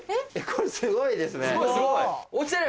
これすごいですね。